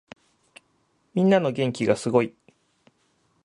みんなの元気がすごい。